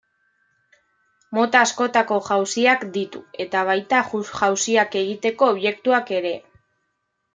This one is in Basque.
Mota askotako jauziak ditu eta baita jauziak egiteko objektuak ere.